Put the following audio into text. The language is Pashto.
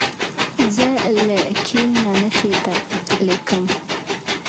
زه له کیڼ نه ښي ته لیکم.